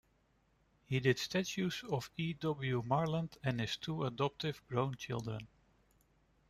He did statues of E. W. Marland and his two adoptive grown children.